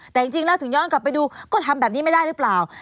แต่จริงแล้วถึงย้อนกลับไปดูก็ทำแบบนี้ไม่ได้หรือเปล่า